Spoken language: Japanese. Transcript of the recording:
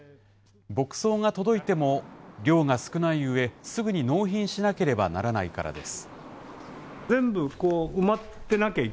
牧草が届いても、量が少ないうえ、すぐに納品しなければならないからです。